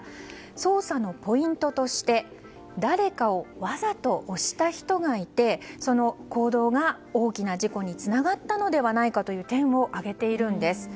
捜査のポイントとして誰かをわざと押した人がいてその行動が大きな事故につながったのではないかという点を挙げているんです。